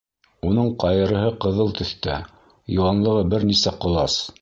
Уның ҡайырыһы ҡыҙыл төҫтә, йыуанлығы бер нисә ҡолас.